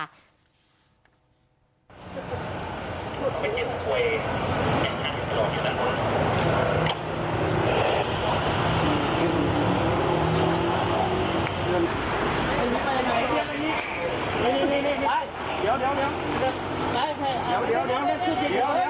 เดี๋ยวเดี๋ยวเดี๋ยว